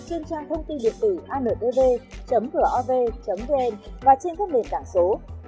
trên trang thông tin liệt tử antv vov vn và trên các nền tảng số